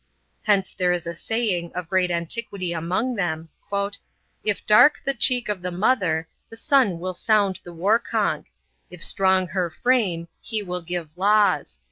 Hence there is a saying, of great antiquity among them, •* If dark the cheek of the mother, The son Trill sound the war conch ; If strong her frame, he will give laws."